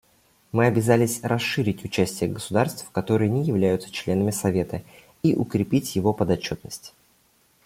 Мы обязались расширить участие государств, которые не являются членами Совета, и укрепить его подотчетность.